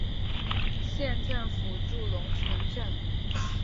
县政府驻龙城镇。